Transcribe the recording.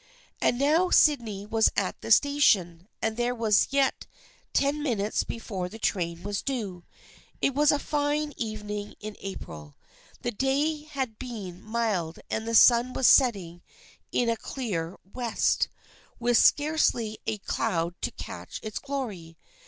And now Sydney was at the station and there were yet ten minutes before the train was due. It was a fine evening in April. The day had been mild and the sun was setting in a clear west, with scarcely a cloud to catch its glory.